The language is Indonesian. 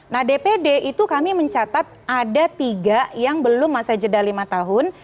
nah dpd itu kami mencatat ada tiga yang belum masa jeda lima tahun